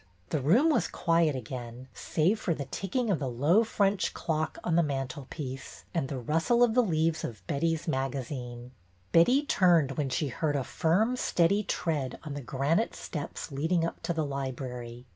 The room was again quiet, save for the ticking of the low French clock on the mantelpiece and the rustle of the leaves of Betty's magazine. Betty turned when she heard a firm, steady tread on the granite steps leading up to the library.